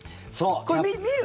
これ、見る？